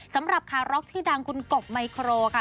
สำหรับคาร็อกชื่อดังคุณกบไมโครค่ะ